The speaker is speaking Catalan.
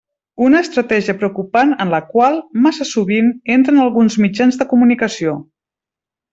Una estratègia preocupant en la qual, massa sovint, entren alguns mitjans de comunicació.